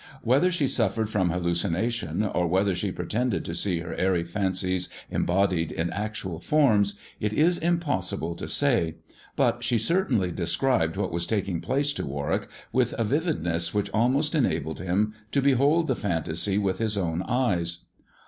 Whether she suffered from hallucination, OP whether she pretended to see her airy fancies embodied in actual forms, it is impossible to say, but she certainly described what was taking place to Warwick with a vivid ness which almost enabled him to behold the fantasy with his own eyes.